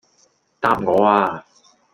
答我呀